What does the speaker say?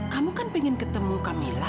kamu kan pengen ketemu kak mila